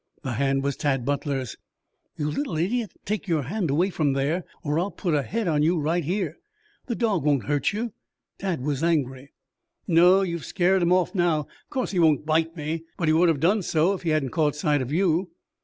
The hand was Tad Butler's. "You little idiot, take your hand away from there or I'll put a head on you right here! The dog won't hurt you." Tad was angry. "No, you've scared him off, now. Of course he won't bite me, but he would have done so if he hadn't caught sight of you."